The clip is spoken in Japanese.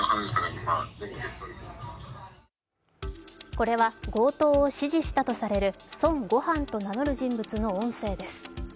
これは強盗を指示したとされる孫悟飯と名乗る人物の音声です。